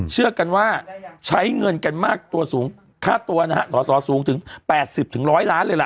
เชื่อกันว่าใช้เงินกันมากตัวสูงค่าตัวนะฮะสอสอสูงถึง๘๐๑๐๐ล้านเลยล่ะ